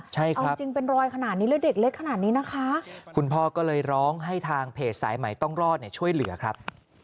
ใช่ครับเอาจริงเป็นรอยขนาดนี้แล้วเด็กเล็กขนาดนี้นะคะคุณพ่อก็เลยร้องให้ทางเพจสายใหม่ต้องรอดเนี่ยช่วยเหลือครับ